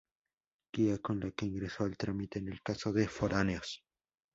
Guía con la que ingresó el trámite en el caso de foráneos.